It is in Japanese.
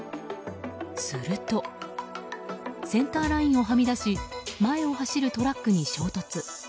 するとセンターラインをはみ出し前を走るトラックに衝突。